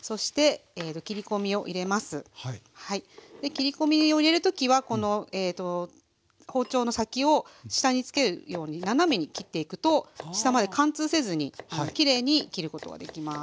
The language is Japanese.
切り込みを入れる時はこの包丁の先を下につけるように斜めに切っていくと下まで貫通せずにきれいに切ることができます。